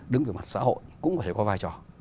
đứng về mặt xã hội cũng có thể có vai trò